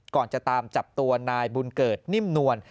จะตามจับตัวนายบุญเกิดนิ่มนวล